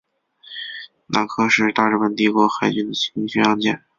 那珂是大日本帝国海军的轻巡洋舰。